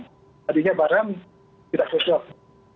tadinya barang tidak sesok